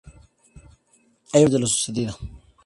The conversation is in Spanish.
Hay varias versiones de lo sucedido.